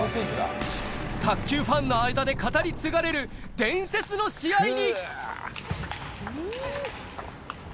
卓球ファンの間で語り継がれる伝説の試合に！